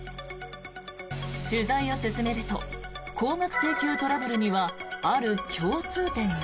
取材を進めると高額請求トラブルにはある共通点が。